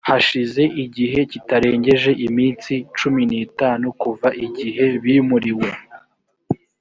hashize igihe kitarengeje iminsi cumi n itanu kuva igihe bimuriwe